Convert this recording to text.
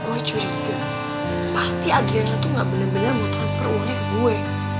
gua curiga pasti adriana tuh gak bener bener mau transfer uangnya ke gue